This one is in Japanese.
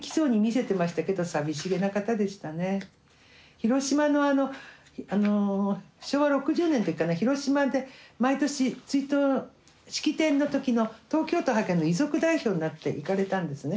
広島のあの昭和６０年の時かな広島で毎年追悼式典の時の東京都の遺族代表になって行かれたんですね。